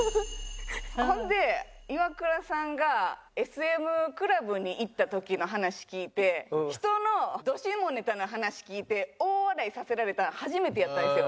ほんでイワクラさんがＳＭクラブに行った時の話聞いて人のド下ネタな話聞いて大笑いさせられたの初めてやったんですよ。